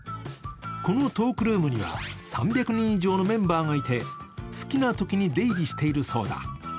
このトークルームには３００人以上のメンバーがいて好きなときに出入りしているそうだ。